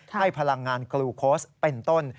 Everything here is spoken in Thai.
ให้พลังงานกลูโค้ชเป็นต้น